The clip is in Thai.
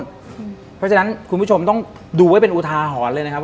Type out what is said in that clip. เพราะฉะนั้นคุณผู้ชมต้องดูไว้เป็นอุทาหรณ์เลยนะครับ